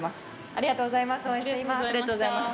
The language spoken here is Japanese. ありがとうございます。